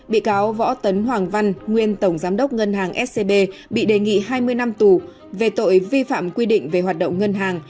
bị cáo võ tấn hoàng văn nguyên tổng giám đốc ngân hàng scb bị đề nghị hai mươi năm tù về tội vi phạm quy định về hoạt động ngân hàng